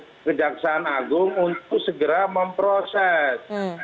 karena kejaksaan agung itu segera memproses